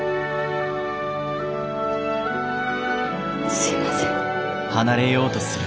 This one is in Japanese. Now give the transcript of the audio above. すいません。